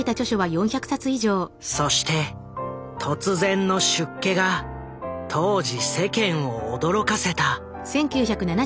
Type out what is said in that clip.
そして突然の出家が当時世間を驚かせた。